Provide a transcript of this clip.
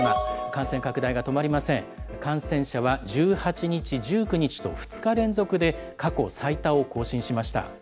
感染者は１８日、１９日と２日連続で過去最多を更新しました。